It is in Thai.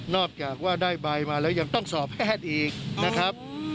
จากว่าได้ใบมาแล้วยังต้องสอบแพทย์อีกนะครับ